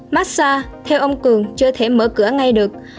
massage theo ông cường chưa thể mở cửa ngay được